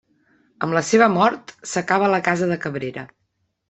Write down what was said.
Amb la seva mort, s'acaba la casa de Cabrera.